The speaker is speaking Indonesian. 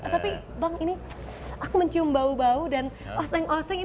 tapi bang ini aku mencium bau bau dan oseng oseng